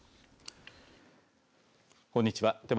こんにちは。